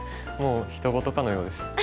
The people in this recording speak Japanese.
もうひと事かのようです。